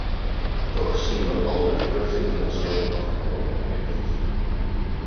Toch zien we al de vruchten die ons werk afgeworpen heeft.